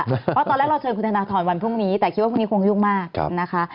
เพราะตอนแรกเราเชิญคุณธนทรวันพรุ่งนี้แต่คิดว่าพรุ่งนี้คงยุ่งมากนะคะ